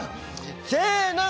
せの。